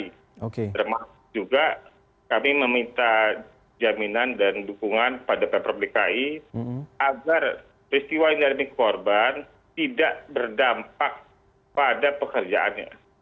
termasuk juga kami meminta jaminan dan dukungan pada pemprov dki agar peristiwa endemik korban tidak berdampak pada pekerjaannya